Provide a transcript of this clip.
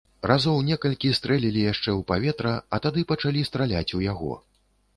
Разоў некалькі стрэлілі яшчэ ў паветра, а тады пачалі страляць у яго.